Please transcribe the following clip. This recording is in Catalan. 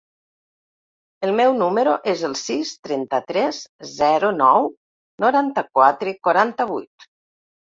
El meu número es el sis, trenta-tres, zero, nou, noranta-quatre, quaranta-vuit.